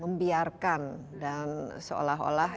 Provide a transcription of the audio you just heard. membiarkan dan seolah olah